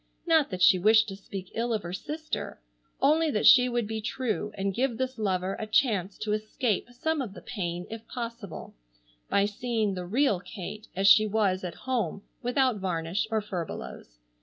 Not that she wished to speak ill of her sister, only that she would be true and give this lover a chance to escape some of the pain if possible, by seeing the real Kate as she was at home without varnish or furbelows.